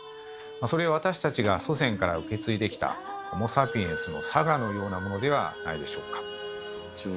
それは私たちが祖先たちから受け継いできたホモ・サピエンスの性のようなものではないでしょうか。